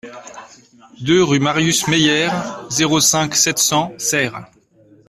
deux rue Marius Meyère, zéro cinq, sept cents Serres